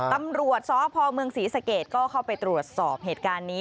ตำรวจสพเมืองศรีสะเกดก็เข้าไปตรวจสอบเหตุการณ์นี้